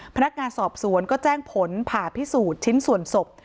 พนักงานสอบสวนก็แจ้งผลผ่าพิสูจน์ชิ้นส่วนศพ